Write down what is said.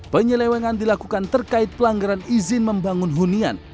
penyelewengan dilakukan terkait pelanggaran izin membangun hunian